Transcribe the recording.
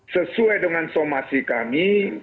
sesuai dengan somasi kami